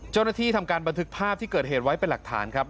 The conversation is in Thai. ทำการบันทึกภาพที่เกิดเหตุไว้เป็นหลักฐานครับ